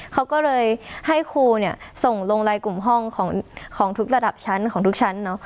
เขาก็เลยให้ครูเนี่ยส่งลงลายกลุ่มห้องของทุกระดับชั้นของทุกชั้น